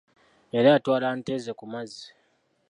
Yali atwala nte zze ku mazzi.